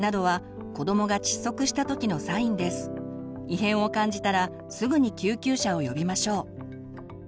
異変を感じたらすぐに救急車を呼びましょう。